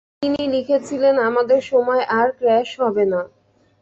তিনি লিখেছিলেন, "আমাদের সময় আর ক্র্যাশ হবে না।